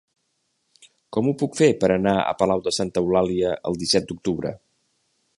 Com ho puc fer per anar a Palau de Santa Eulàlia el disset d'octubre?